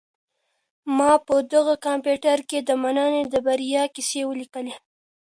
ما په دغه کمپیوټر کي د مننې د بریا کیسې ولیکلې.